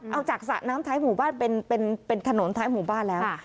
เอาจากสระน้ำท้ายหมู่บ้านเป็นถนนท้ายหมู่บ้านแล้ว